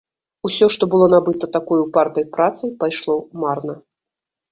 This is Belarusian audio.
Усё, што было набыта такой упартай працай, пайшло марна.